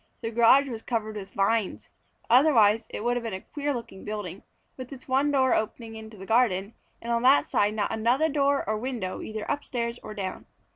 The garage was covered with vines. Otherwise, it would have been a queer looking building, with its one door opening into the garden, and on that side not another door or window either upstairs or down.